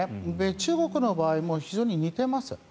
中国の場合も非常に似てます。